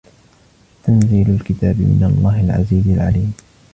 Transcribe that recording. تَنْزِيلُ الْكِتَابِ مِنَ اللَّهِ الْعَزِيزِ الْعَلِيمِ